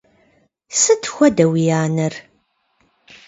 Сыт хуэдэ уи анэр?